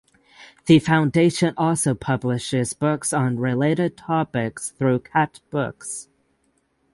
The foundation also publishes books on related topics through Khatt Books.